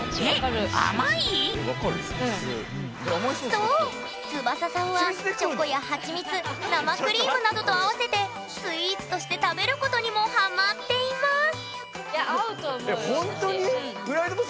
そうつばささんはチョコやはちみつ生クリームなどと合わせてスイーツとして食べることにもハマっています